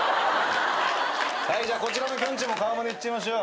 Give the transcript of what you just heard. はいじゃこちらのきょんちぃも顔まねいっちゃいましょう。